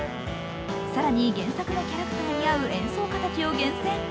更に原作のキャラクターに合う演奏家たちを厳選。